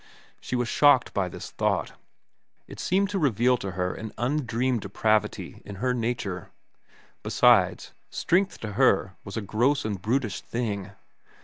She was shocked by this thought. It seemed to reveal to her an undreamed depravity in her nature. Besides, strength to her was a gross and brutish thing.